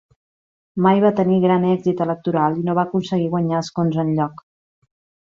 Mai va tenir gran èxit electoral i no va aconseguir guanyar escons enlloc.